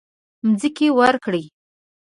مځکې ورکړې.